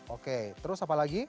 oke terus apa lagi